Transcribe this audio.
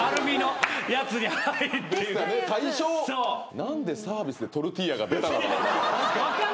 何でサービスでトルティーヤが出たのか。